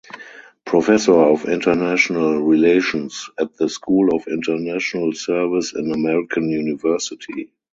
Professor of International Relations at the School of International Service in American University.